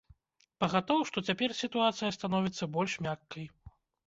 Пагатоў, што цяпер сітуацыя становіцца больш мяккай.